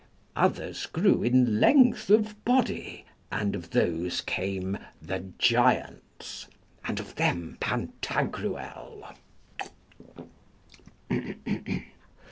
Others grew in length of body, and of those came the Giants, and of them Pantagruel.